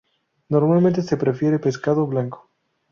Normalmente se prefiere pescado blanco.